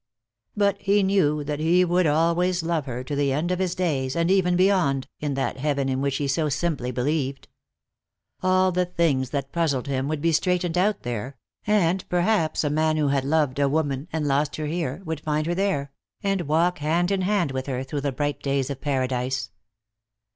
But he knew that he would always love her, to the end of his days, and even beyond, in that heaven in which he so simply believed. All the things that puzzled him would be straightened out there, and perhaps a man who had loved a woman and lost her here would find her there, and walk hand in hand with her, through the bright days of Paradise.